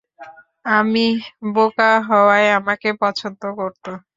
আমি বোকা হওয়ায় আমাকে পছন্দ করতো।